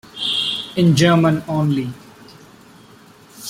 "In German only:"